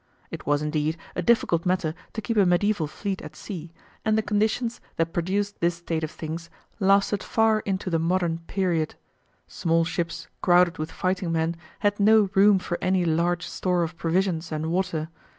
It was, indeed, a difficult matter to keep a medieval fleet at sea, and the conditions that produced this state of things lasted far into the modern period. Small ships crowded with fighting men had no room for any large store of provisions and water.